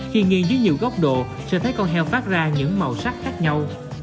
khi nghi dưới nhiều góc độ sẽ thấy con heo phát ra những màu sắc khác nhau